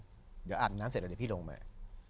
เดี๋ยวอาวุธน้ำเศรษฐ์เดี๋ยวพี่ลงมา